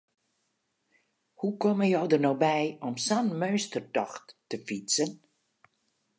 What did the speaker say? Hoe komme jo der no by om sa'n meunstertocht te fytsen?